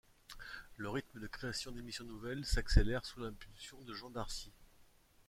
Le rythme de création d'émissions nouvelles s'accélère sous l'impulsion de Jean d'Arcy.